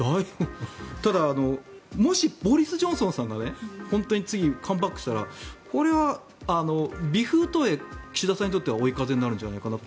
ただ、もしボリス・ジョンソンさんが本当に次、カムバックしたらこれは微風とはいえ岸田さんにとっては追い風になるんじゃないかな。